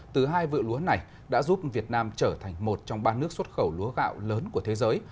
từ hai vựa lúa này đã giúp việt nam trở thành một trong ba nước xuất khẩu lúa gạo lớn của thế giới